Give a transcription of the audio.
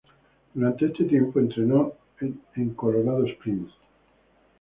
Durante este tiempo, entrenó en Colorado Springs.